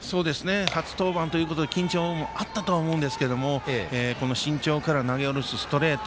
初登板ということで緊張もあったとは思うんですがこの身長から投げ下ろすストレート